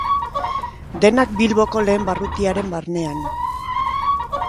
Denak Bilboko lehen barrutiaren barnean.